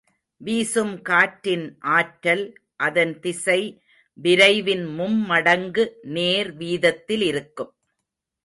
வீசும் காற்றின் ஆற்றல் அதன் திசை விரைவின் மும்மடிக்கு நேர்வீதத்திலிருக்கும்.